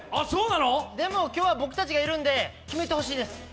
でも、今日は僕たちがいるんで決めてほしいです。